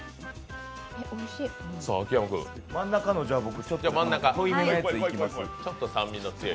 真ん中の濃いめのやついきます。